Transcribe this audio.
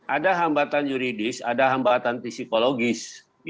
ada hambatan yuridis ada hambatan psikologis